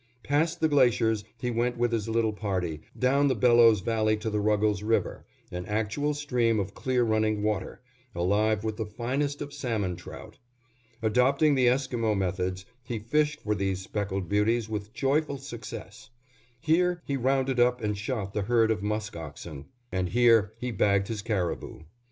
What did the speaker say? Past the glaciers he went with his little party, down the Bellows Valley to the Ruggles River, an actual stream of clear running water, alive with the finest of salmon trout. Adopting the Esquimo methods, he fished for these speckled beauties with joyful success. Here he rounded up and shot the herd of musk oxen, and here he bagged his caribou.